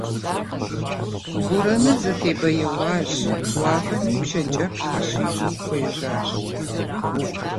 Борэныр зэтебэяуащ, уафэми пшэкӀэплъ къыщищӀу хуежьащ.